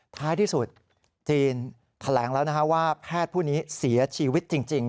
ท้ายที่สุดจีนแถลงแล้วว่าแพทย์ผู้นี้เสียชีวิตจริง